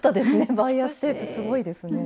バイアステープすごいですね。